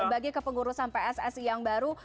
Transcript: bagi kepengurusan pssi yang baru